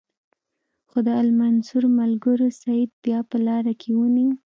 خو د المنصور ملګرو سید بیا په لاره کې ونیو.